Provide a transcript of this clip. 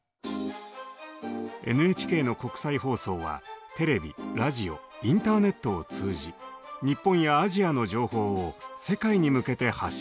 ＮＨＫの国際放送はテレビラジオインターネットを通じ日本やアジアの情報を世界に向けて発信しています。